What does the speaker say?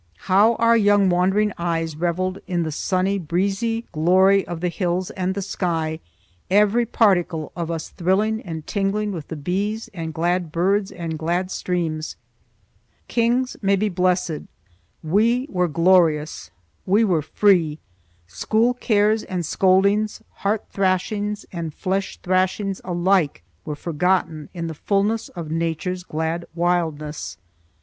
How our young wondering eyes reveled in the sunny, breezy glory of the hills and the sky, every particle of us thrilling and tingling with the bees and glad birds and glad streams! Kings may be blessed; we were glorious, we were free,—school cares and scoldings, heart thrashings and flesh thrashings alike, were forgotten in the fullness of Nature's glad wildness.